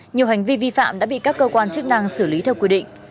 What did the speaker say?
nhiều hành vi vi phạm đã bị các cơ quan chức năng xử lý theo quy định